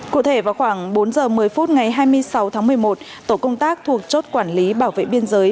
cụ thể vào khoảng bốn giờ một mươi phút ngày hai mươi sáu tháng một mươi một tổ công tác thuộc chốt quản lý bảo vệ biên giới